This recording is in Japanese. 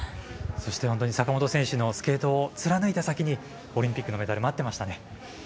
そして坂本選手のスケーターを貫いた先にオリンピックのメダル待ってましたね。